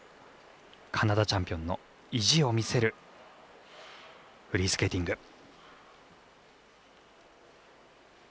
カナダチャンピオンの意地を見せるフリースケーティング。